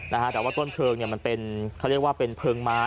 นะฮะแต่ว่าต้นเพลิงเนี่ยมันเป็นเขาเรียกว่าเป็นเพลิงไม้